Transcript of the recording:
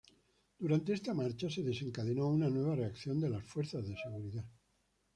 Durante esta marcha se desencadenó una nueva reacción de las fuerzas de seguridad.